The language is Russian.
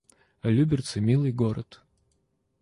Люберцы — милый город